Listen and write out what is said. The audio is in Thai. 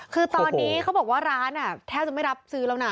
คือตอนนี้เขาบอกว่าร้านแทบจะไม่รับซื้อแล้วนะ